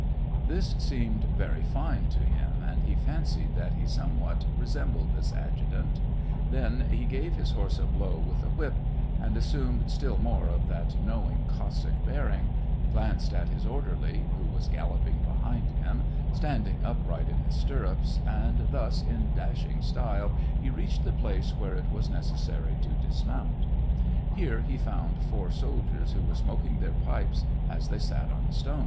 This seemed verv fine to him, and he fancied that he somewhat resembled this adjutant ; then he gave his horse a blow with the whip; and as sumed still more of that knowing^ Cossack bear ing, glanced at his orderly, who was galloping behind him, standing upright in his stirrups, and thus in dashing style he reached the place where it was necessary to dismount. Here he found four soldiers, who were smoking their pipes as they sat on the stones.